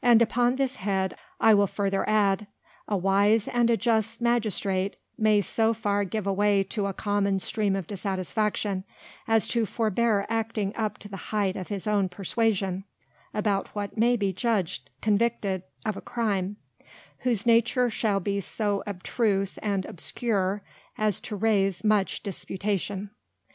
And upon this Head I will further add: A wise and a just Magistrate, may so far give way to a common Stream of Dissatisfaction, as to forbear acting up to the heighth of his own Perswasion, about what may be judged convictive of a Crime, whose Nature shall be so abstruse and obscure, as to raise much Disputation.